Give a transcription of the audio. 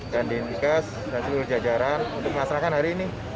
dan din ikas dan seluruh jajaran untuk melaksanakan hari ini